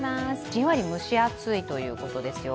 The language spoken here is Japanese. じんわり蒸し暑いということですよ。